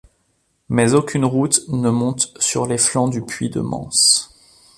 Mais aucune route ne monte sur les flancs du puy de Manse.